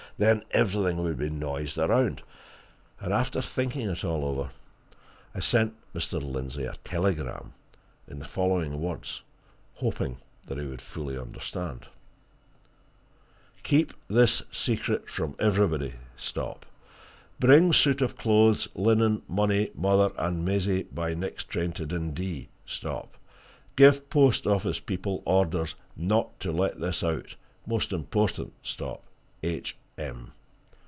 Then everything would be noised around. And after thinking it all over I sent Mr. Lindsey a telegram in the following words, hoping that he would fully understand: "Keep this secret from everybody. Bring suit of clothes, linen, money, mother, and Maisie by next train to Dundee. Give post office people orders not to let this out, most important. H.M."